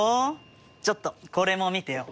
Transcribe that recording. ちょっとこれも見てよ。